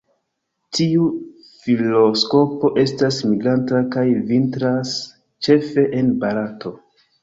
Tiu filoskopo estas migranta kaj vintras ĉefe en Barato.